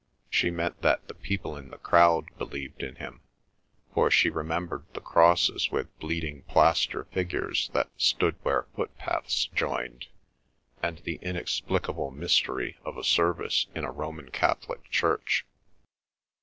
She meant that the people in the crowd believed in Him; for she remembered the crosses with bleeding plaster figures that stood where foot paths joined, and the inexplicable mystery of a service in a Roman Catholic church.